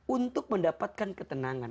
untuk mendapatkan ketenangan